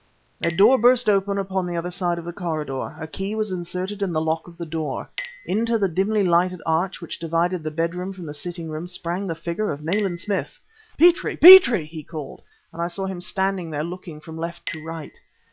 A door burst open upon the other side of the corridor. A key was inserted in the lock of the door. Into the dimly lighted arch which divided the bed room from the sitting room, sprang the figure of Nayland Smith! "Petrie! Petrie!" he called and I saw him standing there looking from left to right.